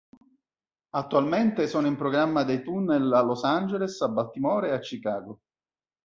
Attualmente sono in programma dei tunnel a Los Angeles, a Baltimora e a Chicago.